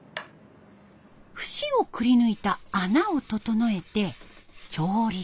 節をくりぬいた穴を整えて調律。